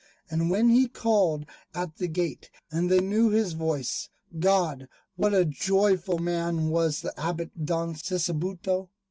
And when he called at the gate and they knew his voice, God, what a joyful man was the Abbot Don Sisebuto!